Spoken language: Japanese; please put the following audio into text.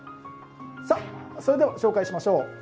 さあそれでは紹介しましょう。